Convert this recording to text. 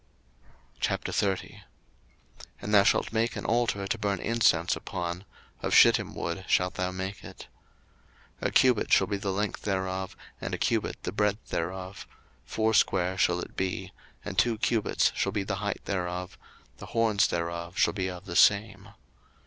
02:030:001 And thou shalt make an altar to burn incense upon: of shittim wood shalt thou make it. 02:030:002 A cubit shall be the length thereof, and a cubit the breadth thereof; foursquare shall it be: and two cubits shall be the height thereof: the horns thereof shall be of the same.